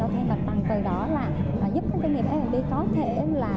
và cho thêm mặt bằng từ đó là giúp các doanh nghiệp f d có thể là